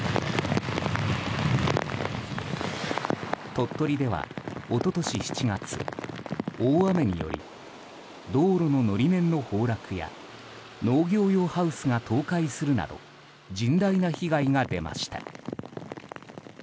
鳥取では、一昨年７月大雨により道路の法面の崩落や農業用ハウスが倒壊するなど甚大な被害が出ました。